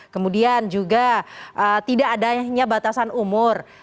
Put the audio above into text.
kemudian juga tidak adanya batasan umur